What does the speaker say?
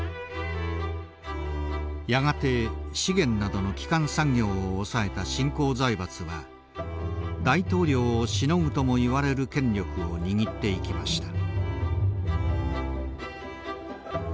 やがて資源などの基幹産業を押さえた新興財閥は大統領をしのぐとも言われる権力を握っていきました。